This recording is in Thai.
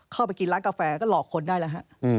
ก็หลอกคนได้แล้วฮะ